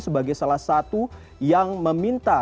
sebagai salah satu yang meminta